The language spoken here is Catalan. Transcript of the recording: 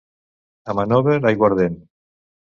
A Monòver, aiguardent.